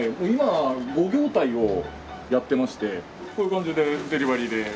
今５業態をやってましてこういう感じでデリバリーで。